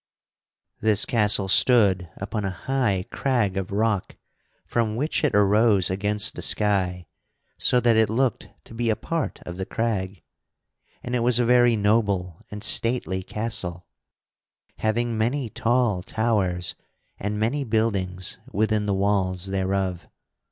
This castle stood upon a high crag of rock from which it arose against the sky so that it looked to be a part of the crag. And it was a very noble and stately castle, having many tall towers and many buildings within the walls thereof.